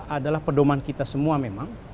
adalah pedoman kita semua memang